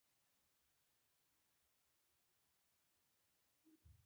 اخر څه وکړم؟ مبایل مې له خپل لاپټاپ څخه چارج نه اخلي